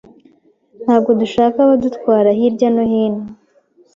Ntabwo dushaka abadutwara hirya no hino.